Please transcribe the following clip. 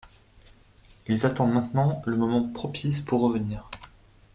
Ils attendent maintenant le moment propice pour revenir.